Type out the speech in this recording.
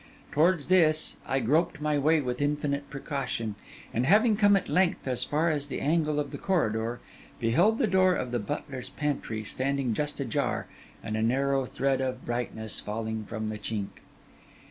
Towards this I groped my way with infinite precaution; and having come at length as far as the angle of the corridor, beheld the door of the butler's pantry standing just ajar and a narrow thread of brightness falling from the chink.